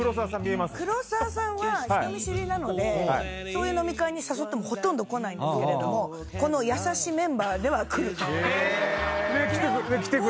黒沢さんは人見知りなのでそういう飲み会に誘ってもほとんど来ないんですけれどもこの優しいメンバーでは来ると。来てくれる。